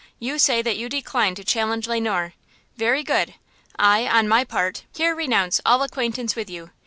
You say that you decline to challenge Le Noir. Very good! I, on my part, here renounce all acquaintance with you!